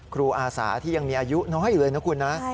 ครูอาศาที่ยังมีอายุน้อยเลยนะคุณนะ